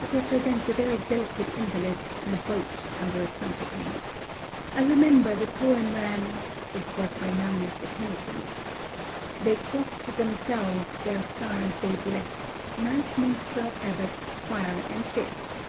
It represents a very delicate invalid, in a boat, under a counterpane. I remember the poem ran (it was by young Mr. Tennyson):— They crossed themselves, their stars they blest, Knight, minstrel, abbot, squire, and guest.